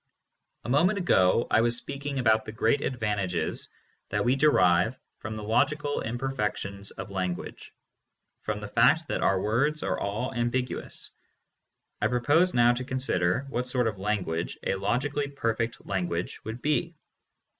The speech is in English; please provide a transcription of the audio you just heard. A moment ago I was speaking about the great advan tages that we derive from the logical imperfections of lan guage, from the fact that our words are all ambiguous. I propose now to consider what sort of language a logically perfect language would be.